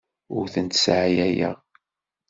Ur tent-sseɛyayeɣ.